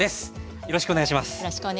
よろしくお願いします。